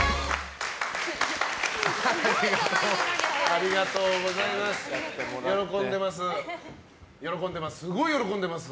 ありがとうございます。